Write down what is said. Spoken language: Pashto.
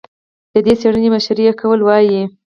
د دې څېړنې مشري یې کوله، وايي